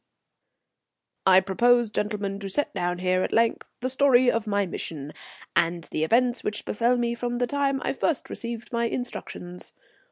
_] I propose, gentlemen, to set down here at length the story of my mission, and the events which befell me from the time I first received my instructions.